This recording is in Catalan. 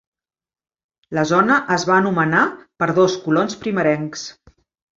La zona es va anomenar per dos colons primerencs.